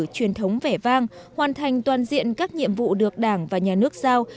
truyền thống vẻ vang hoàn thành toàn diện các nhiệm vụ được đảng và nhà nước giao